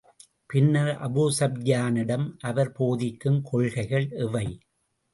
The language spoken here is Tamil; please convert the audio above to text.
பின்னர் அபூ ஸுப்யானிடம், அவர் போதிக்கும் கொள்கைகள் எவை?